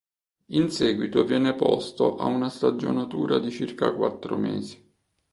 In seguito viene posto a una stagionatura di circa quattro mesi.